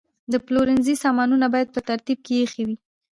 د پلورنځي سامانونه باید په ترتیب کې ایښي وي.